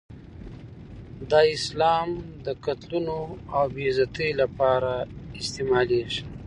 دا اسلام د قتلونو او بې عزتۍ لپاره استعمالېږي.